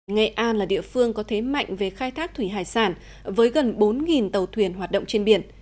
nghệ an là địa phương có thế mạnh về khai thác thủy hải sản với gần bốn tàu thuyền hoạt động trên biển